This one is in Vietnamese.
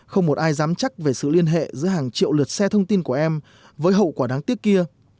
không một ai dám chắc về sự liên hệ giữa hàng triệu lượt xe thông tin của em với hậu quả đáng tiếc kia